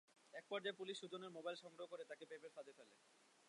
একপর্যায়ে পুলিশ সুজনের mobile number সংগ্রহ করে তাঁকে প্রেমের ফাঁদে ফেলে।